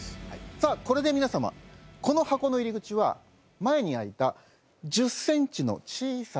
さあこれで皆様この箱の入り口は前に開いた１０ｃｍの小さな穴だけになりました。